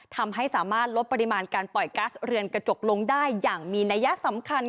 ทำให้สามารถลดปริมาณการปล่อยกัสเรือนกระจกลงได้อย่างมีนัยสำคัญ